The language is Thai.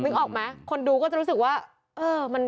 มึกออกมั้ยคนดูก็จะรู้สึกว่าเออ